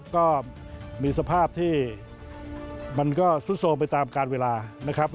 ก็มีสภาพที่มันก็ซุดโทรมไปตามการเวลานะครับ